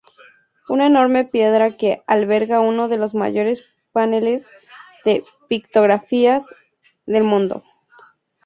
Una enorme piedra que alberga uno de los mayores paneles de pictografías del mundo.